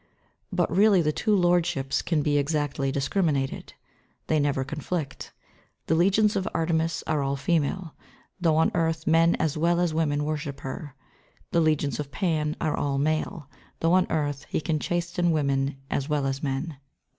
But really the two lord ships can be exactly discriminated. They never conflict. The legions of Artemis are all female, though on earth men as well as women worship her; the legions of Pan are all male, though on earth he can chasten women as well as men.